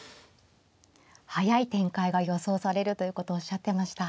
速い展開が予想されるということをおっしゃってました。